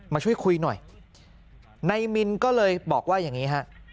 มาช่วยคุยหน่อยนายมินก็เลยบอกว่าอย่างนี้ฮะ